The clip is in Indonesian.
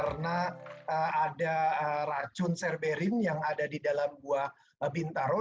memang buah ini tidak bisa dimakan ya karena ada racun serberin yang ada di dalam buah bintaro